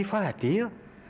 mau mencari fadil